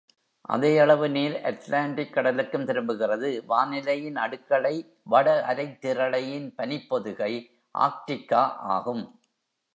அதே அளவு நீர் அட்லாண்டிக் கடலுக்கும் திரும்புகிறது வானிலையின் அடுக்களை வடஅரைத் திரளையின் பனிப்பொதிகை ஆர்க்டிகா ஆகும்.